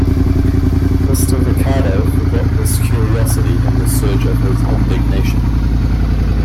Mr. Ricardo forgot his curiosity in the surge of his indignation.